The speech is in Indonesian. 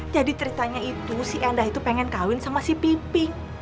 jadi ceritanya itu si endah itu pengen kawin sama si piping